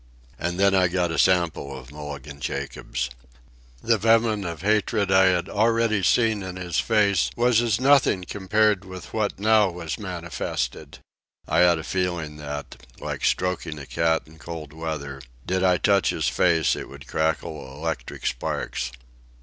And then I got a sample of Mulligan Jacobs. The venom of hatred I had already seen in his face was as nothing compared with what now was manifested. I had a feeling that, like stroking a cat in cold weather, did I touch his face it would crackle electric sparks.